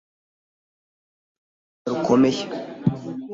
nubwo bikiri urugamba rukomeye